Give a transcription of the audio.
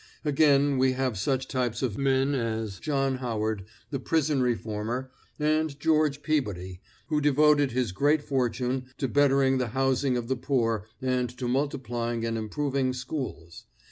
Again, we have such types of men as John Howard, the prison reformer, and George Peabody, who devoted his great fortune to bettering the housing of the poor and to multiplying and improving schools.